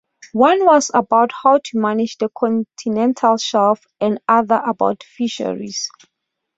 One was about how to manage the continental shelf and the other about fisheries.